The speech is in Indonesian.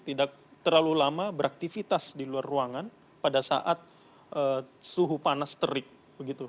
tidak terlalu lama beraktivitas di luar ruangan pada saat suhu panas terik begitu